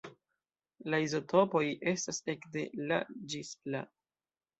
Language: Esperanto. La izotopoj estas ekde La ĝis La.